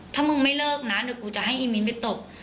ถ้ามึงไม่เลิกนะเดี๋ยวกูจะให้อีมินไปตบ